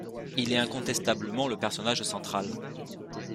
Il est incontestablement le personnage central.